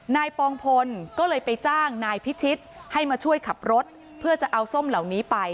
ปองพลก็เลยไปจ้างนายพิชิตให้มาช่วยขับรถเพื่อจะเอาส้มเหล่านี้ไป